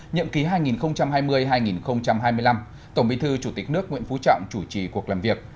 nhậm ký hai nghìn hai mươi hai nghìn hai mươi năm tổng bí thư chủ tịch nước nguyễn phú trọng chủ trì cuộc làm việc